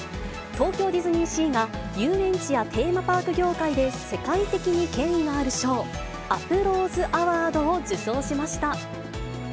東京ディズニーシーが、遊園地やテーマパーク業界で世界的に権威のある賞、アプローズ・アワードを受賞しました。